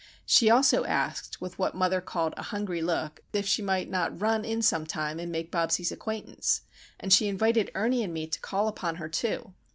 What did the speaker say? She also asked with what mother called "a hungry look" if she might not run in sometime and make Bobsie's acquaintance, and she invited Ernie and me to call upon her, too.